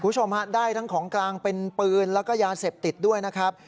คุณผู้ชมฮะได้ทั้งของกลางเป็นปืนแล้วก็ยาเสพติดด้วยนะครับ